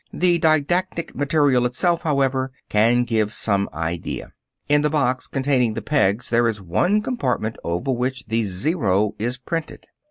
The didactic material itself, however, can give some idea. In the box containing the pegs there is one compartment over which the 0 is printed.